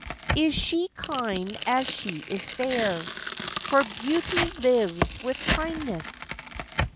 Is she kind as she is fair? For beauty lives with kindness.